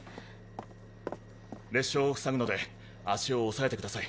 裂傷を塞ぐので足を押さえてください。